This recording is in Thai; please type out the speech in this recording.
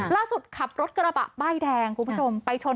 ล่าสุดขับรถกระบะใบ้แดงคุณผู้ชม